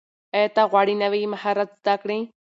ایا ته غواړې نوي مهارت زده کړې؟